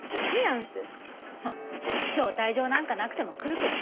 まあ招待状なんかなくても来るけどね。